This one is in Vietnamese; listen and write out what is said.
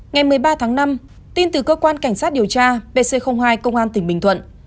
ngày một mươi ba tháng năm tin từ cơ quan cảnh sát điều tra pc hai công an tỉnh bình thuận